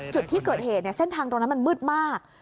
จุดที่เกิดเหตุเส้นทางตรงนั้นมันมืดมาก